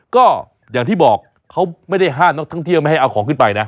ก็อย่างที่บอกเขาไม่ได้ห้ามนักท่องเที่ยวไม่ให้เอาของขึ้นไปนะ